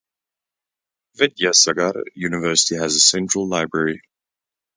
Vidyasagar University has a central library.